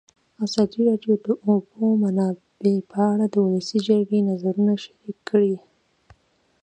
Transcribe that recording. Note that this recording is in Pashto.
ازادي راډیو د د اوبو منابع په اړه د ولسي جرګې نظرونه شریک کړي.